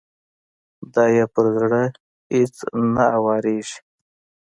دا يې په زړه اېڅ نه اوارېږي.